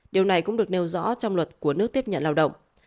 điều này cũng được nêu rõ trong luật của nước tiếp nhận lao động